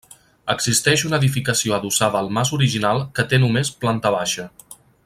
Existeix una edificació adossada al mas original que té només planta baixa.